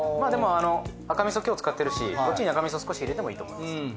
でもあの赤みそ今日使ってるしこっちに赤みそ少し入れてもいいと思います。